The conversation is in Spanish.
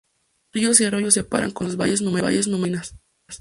Ríos y arroyos separan con sus valles numerosas colinas.